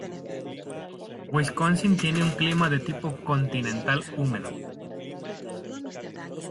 Wisconsin tiene un clima de tipo continental húmedo.